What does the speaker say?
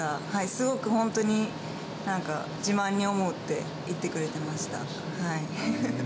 すごく本当になんか、自慢に思うって言ってくれていました。